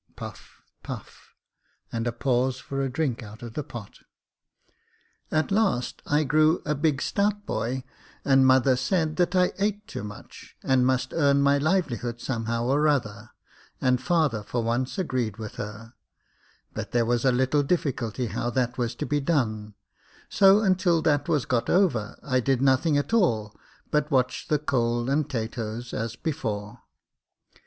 [Puff, puff, and a pause for a drink out of the pot.] At last, I grew a big stout boy, and mother said that I ate too much, and must earn my livelihood somehow or other. 204 Jacob Faithful and father for once agreed with her ; but there was a little difficulty how that was to be done •, so until that was got over, I did nothing at all but watch the coals and 'tatoes as before.